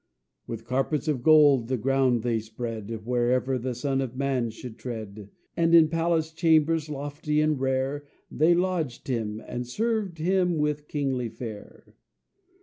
With carpets of gold the ground they spread Wherever the Son of Man should tread, And in palace chambers lofty and rare They lodged him, and served him with kingly fare.